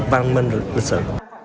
văn minh lịch sử